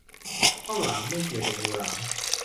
ข้าวหลาม ไม่เกี่ยวกับงูหลาม